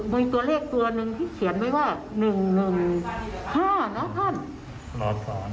มีตัวเลขตัวหนึ่งที่เขียนไว้ว่า๑๑๕นะท่าน